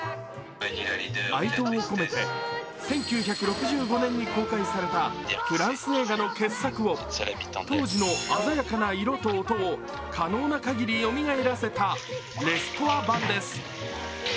哀悼を込めて１９６５年に公開されたフランス映画の傑作を当時の鮮やかな色と音を可能な限りよみがえらせたレストア版です。